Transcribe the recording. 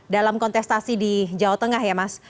dalam kontestasi di jawa tengah ya mas